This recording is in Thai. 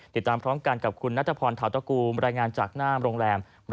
ติดตามพร้อมกันกับคุณนัทพรถาวตะกูมรายงานจากนามโรงแรมบรรทนโกศิลป์ครับ